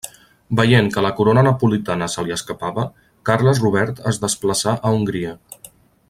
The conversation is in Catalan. Veient que la corona napolitana se li escapava, Carles Robert es desplaçà a Hongria.